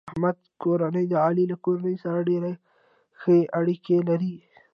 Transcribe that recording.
د احمد کورنۍ د علي له کورنۍ سره ډېرې ښې اړیکې لري.